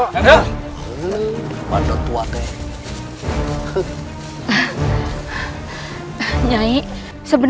saya sudah berani menemukan kilurah